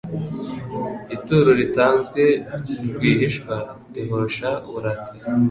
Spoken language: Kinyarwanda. ituro ritanzwe rwihishwa rihosha uburakari